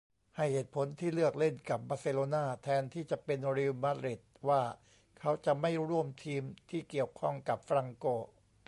ให้เหตุผลที่เลือกเล่นกับบาร์เซโลนาแทนที่จะเป็นรีลมาดริดว่า เขาจะไม่ร่วมทีมที่เกี่ยวข้องกับฟรังโก